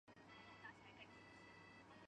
传说炎帝和黄帝都曾来过长沙。